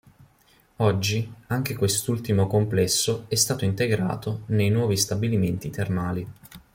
Oggi anche quest'ultimo complesso è stato integrato nei nuovi stabilimenti termali.